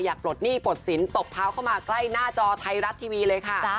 ปลดหนี้ปลดสินตบเท้าเข้ามาใกล้หน้าจอไทยรัฐทีวีเลยค่ะ